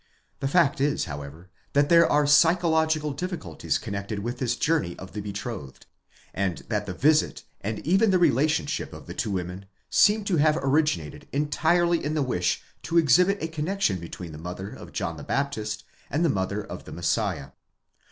The fact is however that there are psychological difficulties connected with this journey of the betrothed ; and that the visit, and even the relationship of the two women, seem to have originated entirely in the wish to exhibit a connexion between the mother of John the Baptist, and the mother of the Messiah.